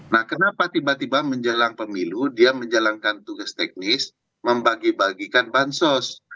nah kenapa tiba tiba menjelang pemilu dia menjalankan tugas teknis membagi bagikan bansos